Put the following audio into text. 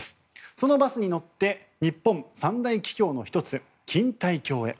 そのバスに乗って日本三大奇橋の１つ錦帯橋へ。